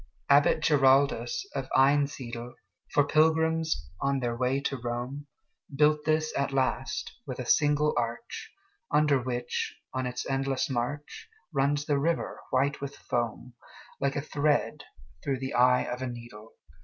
Abbot Giraldus of Einsiedel, For pilgrims on their way to Rome, Built this at last, with a single arch, Under which, on its endless march, Runs the river, white with foam, Like a thread through the eye of a needle.